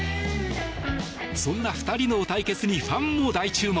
そんな２人の対決にファンも大注目。